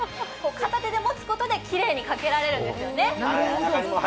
片手で持つことできれいにかけられるんですよね。